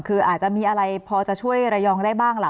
คืออาจจะมีอะไรพอจะช่วยระยองได้บ้างล่ะ